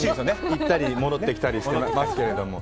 行ったり戻ってきたりしてます。